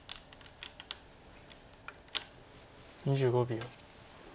２５秒。